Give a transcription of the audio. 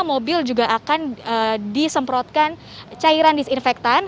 mobil juga akan disemprotkan cairan disinfektan